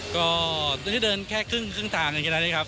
ก็ที่เดินแค่ครึ่งทางอย่างนี้ครับ